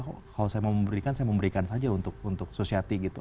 kalau saya mau memberikan saya memberikan saja untuk susiati gitu